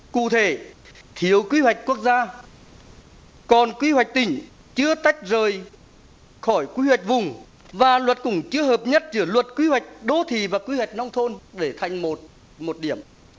cụ thể thiếu kỳ hoạch quốc gia còn kỳ hoạch tỉnh chưa tách rời khỏi kỳ hoạch vùng và luật cũng chưa hợp nhất giữa luật kỳ hoạch đô thị và kỳ hoạch nông thôn để thành một điểm